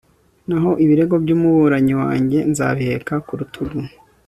naho ibirego by'umuburanyi wanjye, nzabiheka ku rutugu